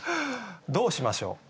どうしましょう？